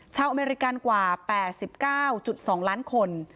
อเมริกันกว่า๘๙๒ล้านคน